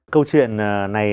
câu chuyện này